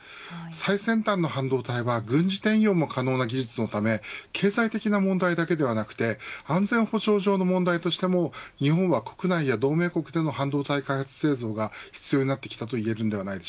最先端の半導体は軍事転用も可能な技術のため経済的な問題だけではなく安全保障上の問題としても日本は国内や同盟国での半導体開発製造が必要になってきたといえます。